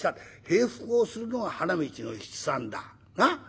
平伏をするのが花道の七三だ。なあ？